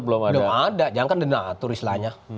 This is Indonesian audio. belum ada jangan kan donatur istilahnya